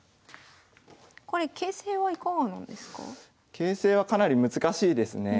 形勢はかなり難しいですね。